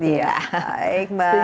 ya baik mbak